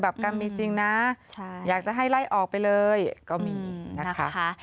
กรรมการมีจริงนะอยากจะให้ไล่ออกไปเลยก็มีนะคะ